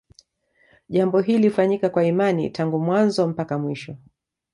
Jambo hili hufanyika kwa imani tangu mwanzo mpaka mwisho